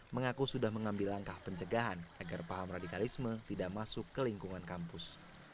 mengaku sudah mengambil langkah pencegahan agar paham radikalisme tidak masuk ke lingkungan kampus